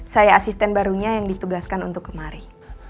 saya asisten barunya yang ditugaskan untuk kemari